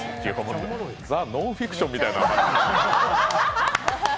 「ザ・ノンフィクション」みたいな。